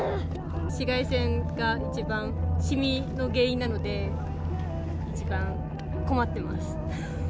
紫外線が一番染みの原因なので、一番困ってます。